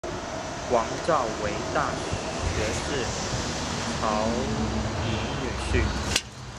王诏为大学士曹鼐女婿。